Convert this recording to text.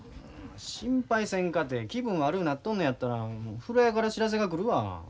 心配せんかて気分悪うなっとんのやったら風呂屋から知らせが来るわ。